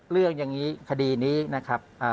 เรื่องอย่างนี้คดีนี้นะครับ